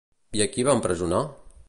I a qui va empresonar?